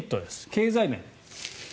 経済面。